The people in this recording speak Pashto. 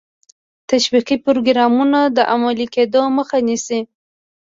تشویقي پروګرامونو د عملي کېدو مخه نیسي.